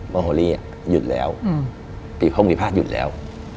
โบโฮลี่ห้องวิภาคหยุดแล้ว